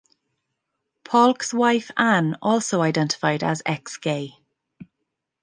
Paulk's wife, Anne, also identified as ex-gay.